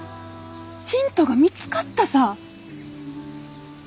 ヒントが見つかったさ。